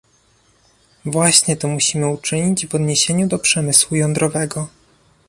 Właśnie to musimy uczynić w odniesieniu do przemysłu jądrowego